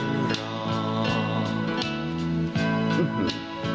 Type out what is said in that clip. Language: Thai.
นะเค้า